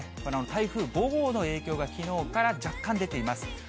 台風５号の影響がきのうから若干出ています。